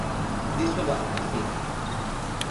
Diso vai, si.